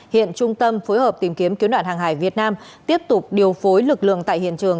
hiện trung tâm phối hợp tìm kiếm cứu nạn hàng hải việt nam tiếp tục điều phối lực lượng tại hiện trường